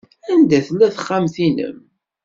Anda tella texxamt-nnem?